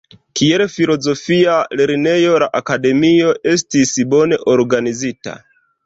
Kiel filozofia lernejo, la Akademio estis bone organizita.